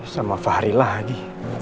sama fahri lah lagi